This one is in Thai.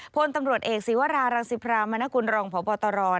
พลตำรวจเอกศีวรารังสิพรามนกุลรองพบตร